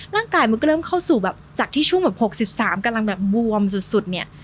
มันก็เริ่มเข้าสู่แบบจากที่ช่วงแบบ๖๓กำลังแบบบวมสุดเนี่ย